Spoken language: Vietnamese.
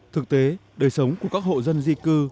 thực tế đời sống của các hộ dân di cư